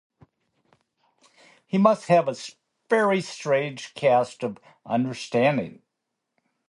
He must have a very strange cast of understanding.